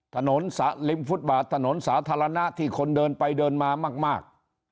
ถนนริมฟุตบาทถนนสาธารณะที่คนเดินไปเดินมามาก